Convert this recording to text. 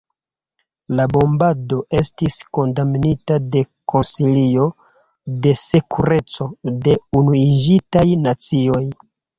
La bombado estis kondamnita de Konsilio de Sekureco de Unuiĝintaj Nacioj.